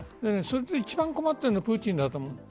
一番困ってるのはプーチンだと思う。